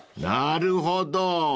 ［なるほど。